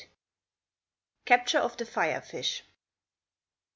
CAPTURE OF THE FIRE FISH.